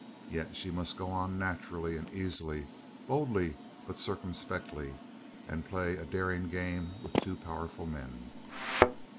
Yet she must go on naturally and easily, boldly but circumspectly, and play a daring game with two powerful men.